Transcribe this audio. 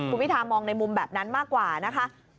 คุณพิธามองในมุมแบบนั้นมากกว่านะคะ